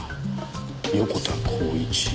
横田幸一。